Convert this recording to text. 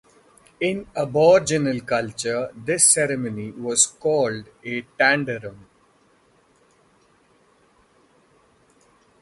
In aboriginal culture, this ceremony was called a tanderem.